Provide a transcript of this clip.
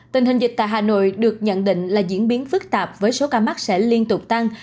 tình hình dịch tại hà nội được nhận định là diễn biến phức tạp với số ca mắc sẽ liên tục tăng